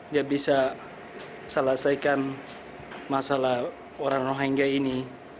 dia bisa selesaikan masalah orang rohingya ini